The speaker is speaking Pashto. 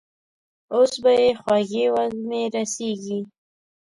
اوس به يې خوږې وږمې رسېږي.